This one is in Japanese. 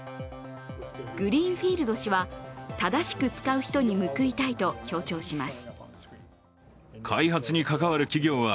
グリーンフィールド氏は正しく使う人に報いたいと強調します。